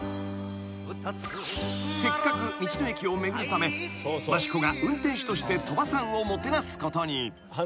［せっかく道の駅を巡るため益子が運転手として鳥羽さんをもてなすことに］